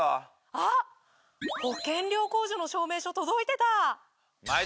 あっ保険料控除の証明書届いてた！